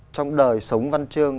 trong đời sống văn chương